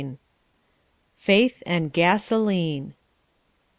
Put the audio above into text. FAITH AND GASOLINE.